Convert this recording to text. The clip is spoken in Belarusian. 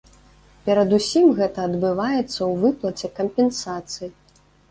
Перадусім гэта адбываецца ў выплаце кампенсацый.